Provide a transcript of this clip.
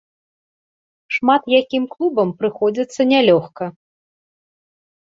Шмат якім клубам прыходзіцца нялёгка.